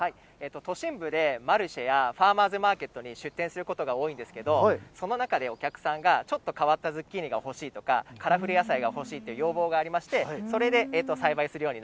都心部でマルシェやファーマーズマーケットに出店することが多いんですけど、その中でお客さんがちょっと変わったズッキーニが欲しいとか、カラフル野菜が欲しいという要望がありまして、それで栽培するよ